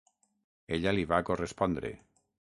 Ella li va correspondre.